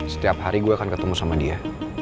setiap hari gue akan ketemu sama dia